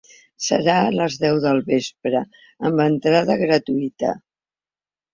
Serà a les deu del vespre, amb entrada gratuïta.